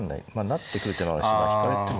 成ってくる手もあるし引かれても。